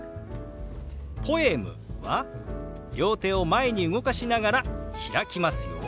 「ポエム」は両手を前に動かしながら開きますよ。